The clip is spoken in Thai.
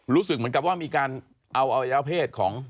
รู้สึกเหมือนกับว่ามีการเอาอวัยวะเพศของ